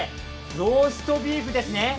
ローストビーフですね！